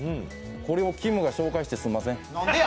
これをきむが紹介してすんません。